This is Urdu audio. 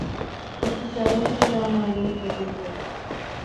کسی سائے کی طرح معلوم ہوتے تھے